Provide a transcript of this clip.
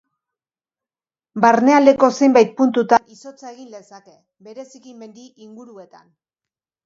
Barnealdeko zenbait puntutan izotza egin lezake, bereziki mendi inguruetan.